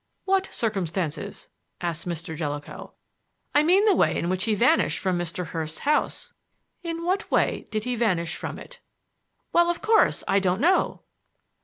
"What circumstances?" asked Mr. Jellicoe. "I mean the way in which he vanished from Mr. Hurst's house." "In what way did he vanish from it?" "Well, of course, I don't know."